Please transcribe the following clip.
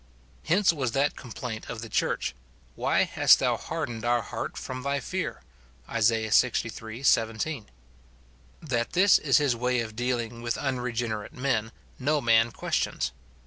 Hence was that complaint of the church, " Why hast thou hardened our heart from thy fear?" Isa. Ixiii. 17. That this is his way of dealing with unregenerate men no man questions.